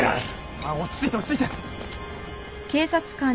まあ落ち着いて落ち着いて。